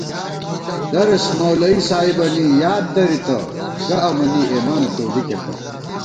درس مولوی صاحِبَنی یاد دَرِتہ، گہ امَنی ایمانہ تولِکے پت